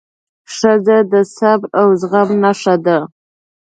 ښځه د صبر او زغم نښه ده.